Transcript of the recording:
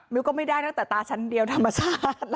ก็ไม่ได้ตั้งแต่ตาชั้นเดียวธรรมชาติ